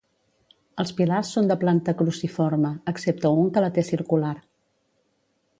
Els pilars són de planta cruciforme, excepte un que la té circular.